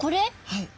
はい。